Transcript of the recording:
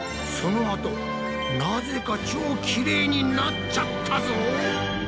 そのあとなぜか超キレイになっちゃったぞ！